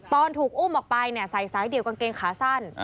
ตอนถูกอุ้มออกไปใส่สายเดี่ยวกางเกงขาสั้น